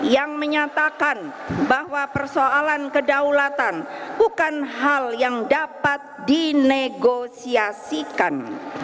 yang menyatakan bahwa persoalan kedaulatan bukan hal yang dapat dinegosiasikan